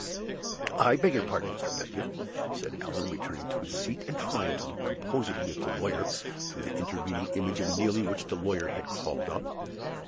"I beg your pardon, Mr. Pedgift," said Allan, returning to his seat, and trying to look composedly at the lawyer through the intervening image of Neelie which the lawyer had called up.